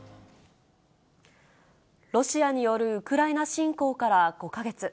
ロシアによるウクライナ侵攻から、５か月。